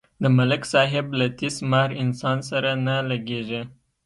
د ملک صاحب له تیس مار انسان سره نه لگېږي.